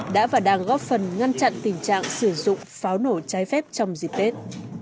đã và đang góp phần ngăn chặn tình trạng sử dụng pháo nổ trái phép trong dịp tết